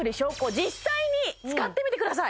実際に使ってみてください